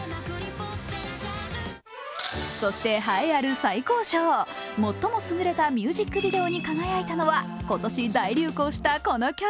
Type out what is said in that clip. そして栄えある最高賞、最も優れたミュージックビデオに輝いたのは今年大流行したこの曲。